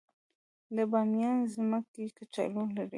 د بامیان ځمکې کچالو لري